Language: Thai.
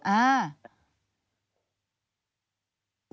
อ่า